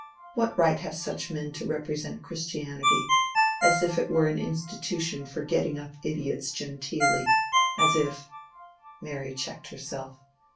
What right have such men to represent Christianity—as if it were an institution for getting up idiots genteelly—as if—" Mary checked herself.